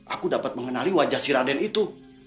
aku dapat mengenali wajah si raden itu